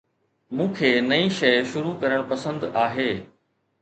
مون کي نئين شيء شروع ڪرڻ پسند آهي